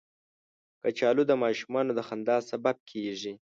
کچالو د ماشومانو د خندا سبب کېږي